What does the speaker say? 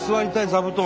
座布団。